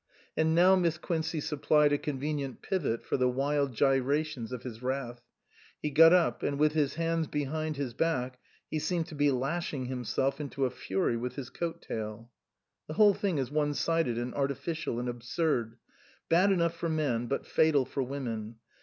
And now Miss Quincey supplied a convenient pivot for the wild gyrations of his wrath. He got up ; and with his hands behind his back he seemed to be lashing himself into a fury with his coat tail. "The whole thing is one sided and artificial and absurd. Bad enough for men, but fatal for women.